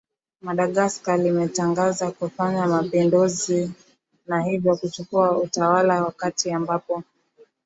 madagascar limetangaza kufanya mapinduzi na hivyo kuchukuwa utawala wakati ambapo